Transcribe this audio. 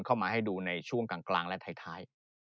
เข้ามาให้ดูในช่วงกลางและท้าย